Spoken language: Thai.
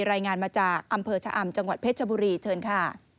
รายงานมาจากอำเภอชะอำจังหวัดเพชรบุรีเชิญค่ะ